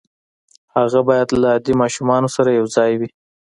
هغه بايد له عادي ماشومانو سره يو ځای وي.